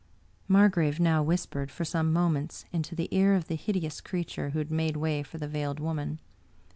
Margrave now whispered, for some moments, into the ear of the hideous creature who had made way for the Veiled Woman.